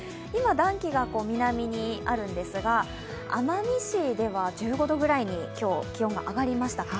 今、暖気が南にあるんですが奄美市では１５度ぐらいに今日、気温が上がりました。